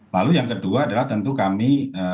lalu yang kedua adalah tentu kami